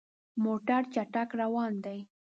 موټر چټک روان دی.